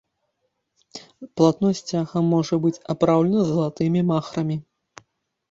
Палатно сцяга можа быць апраўлена залатымі махрамі.